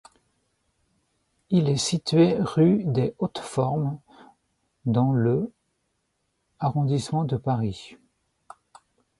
Il est situé rue des Hautes-Formes dans le arrondissement de Paris.